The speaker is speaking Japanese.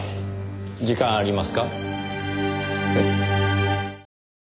時間ありますか？